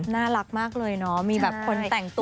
น่ารักมากเลยเนาะมีแบบคนแต่งตัว